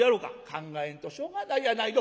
「考えんとしょうがないやないの。